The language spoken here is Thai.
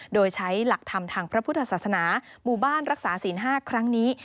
โดยใช้หลักธรรมทางพระพุทธศาสนาหมู่บ้านรักษาศีล๕ครั้งนี้